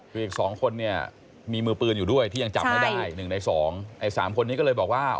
คืออีก๒คนเนี่ยมีมือปืนอยู่ด้วยที่ยังจับไม่ได้๑ใน๒ไอ้๓คนนี้ก็เลยบอกว่า